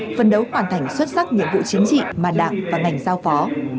phân đấu hoàn thành xuất sắc nhiệm vụ chính trị mà đảng và ngành giao phó